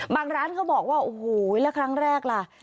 ร้านเขาบอกว่าโอ้โหแล้วครั้งแรกล่ะ